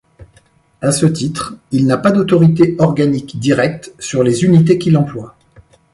À ce titre il n'a pas d'autorité organique directe sur les unités qu'il emploie.